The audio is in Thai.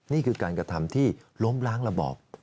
นี่คือการกระทำที่ล้มล้างระบอบ